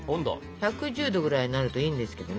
１１０℃ぐらいになるといいんですけどね。